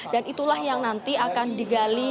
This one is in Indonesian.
dan itulah yang nanti akan digali